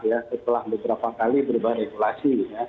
ya setelah beberapa kali berubah regulasi